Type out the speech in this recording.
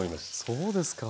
そうですか。